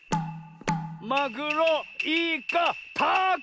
マグロイカタコ！